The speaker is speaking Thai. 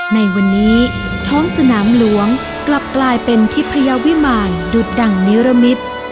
ในวันนี้ท้องสนามหลวงกลับกลายเป็นทิพยาวิมารดุดดั่งนิรมิตร